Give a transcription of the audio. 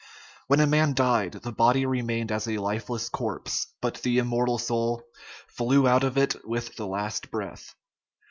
When a man died, the body remained as a lifeless corpse, but the immortal soul " flew out of it with the last breath."